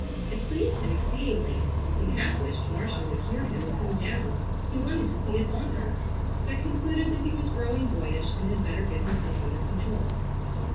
It pleased him exceedingly. He half wished Marcia would hear him and come down. He wanted to see it on her, but concluded that he was growing boyish and had better get himself under control.